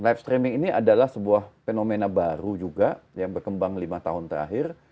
live streaming ini adalah sebuah fenomena baru juga yang berkembang lima tahun terakhir